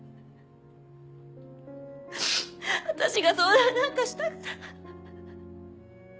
私が相談なんかしたから。